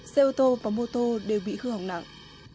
xe ô tô và mô tô đều bị hư hỏng nặng